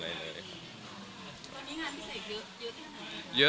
ก็มีงานพิเศษเยอะที่หัวหนู